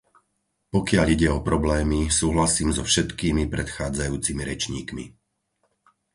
Pokiaľ ide o problémy, súhlasím so všetkými predchádzajúcimi rečníkmi.